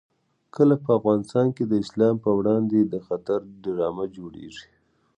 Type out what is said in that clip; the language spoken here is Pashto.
کله په افغانستان کې د اسلام په وړاندې د خطر ډرامه جوړېږي.